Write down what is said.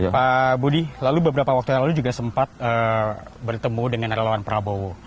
pak budi lalu beberapa waktu yang lalu juga sempat bertemu dengan relawan prabowo